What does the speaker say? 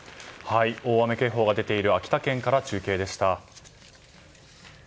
大雨警報が出ている秋田県から中継でした。